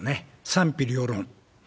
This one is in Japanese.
賛否両論。